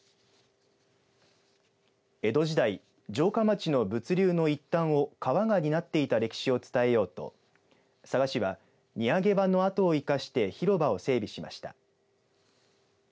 江戸時代、城下町の物流の一端を川が担っていた歴史を伝えようと佐賀市は荷揚げ場の跡を生かして広場を整備しました。